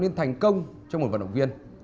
tạo nên thành công cho một vận động viên